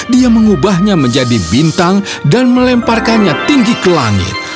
dia mengubahnya menjadi bintang dan melemparkannya tinggi ke langit